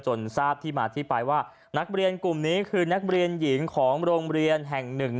ทราบที่มาที่ไปว่านักเรียนกลุ่มนี้คือนักเรียนหญิงของโรงเรียนแห่งหนึ่ง